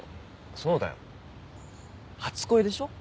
そうだよ初恋でしょ？